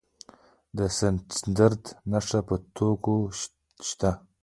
د سټنډرډ نښه په توکو شته؟